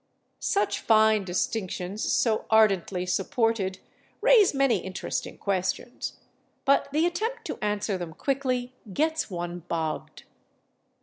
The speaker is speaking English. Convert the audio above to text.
Such fine distinctions, so ardently supported, raise many interesting questions, but the attempt to answer them quickly gets one bogged.